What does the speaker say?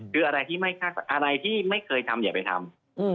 คืออะไรที่ไม่คาดฝันอะไรที่ไม่เคยทำอย่าไปทำ